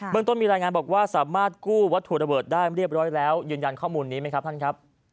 เมืองต้นมีรายงานบอกว่าสามารถกู้วัตถุระเบิดได้เรียบร้อยแล้วยืนยันข้อมูลนี้ไหมครับท่านครับ